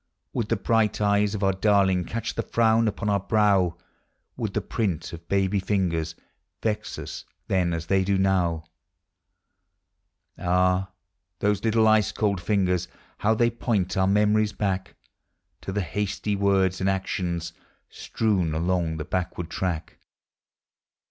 279 Would the bright eyes of our darling Catch the frown upon our brow? Would the print of baby fingers Vex us then as they do now? Ah! those little ice cold fingers, liow they point our memories back To the hasty words and actions Strewn along the backward track!